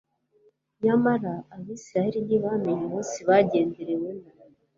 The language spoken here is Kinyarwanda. Nyamara abisiraeli ntibamenya umunsi bagenderewemo.